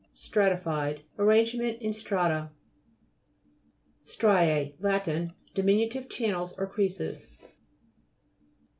STRA'TIFIED Arranged in strata. STRIPS Lat. Diminutive channels or creases.